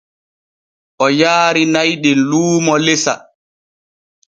O yaari na'i ɗin luumo lesa.